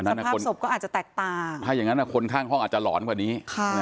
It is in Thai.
สภาพศพก็อาจจะแตกตาถ้าอย่างนั้นคนข้างห้องอาจจะหลอนกว่านี้